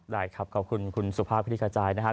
ได้ครับขอบคุณคุณสุภาพพิธีการจ่ายนะฮะ